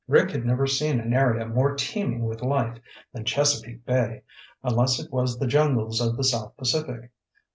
Rick had never seen an area more teeming with life than Chesapeake Bay, unless it was the jungles of the South Pacific.